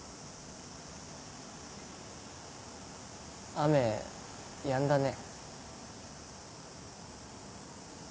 雨やんだね。